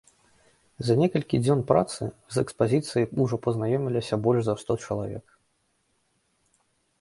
За некалькі дзён працы з экспазіцыяй ужо пазнаёміліся больш за сто чалавек.